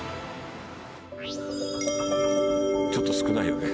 ちょっと少ないよね。